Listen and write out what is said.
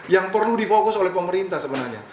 yang perlu difokus oleh pemerintah sebenarnya